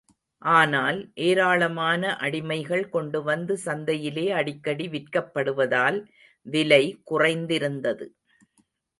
ஆனால், ஏராளமான அடிமைகள் கொண்டு வந்து சந்தையிலே அடிக்கடி விற்கப்படுவதால் விலை குறைந்திருந்தது.